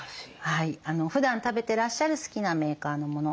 ふだん食べてらっしゃる好きなメーカーのもの。